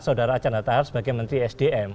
saudara archandra tahar sebagai menteri sdm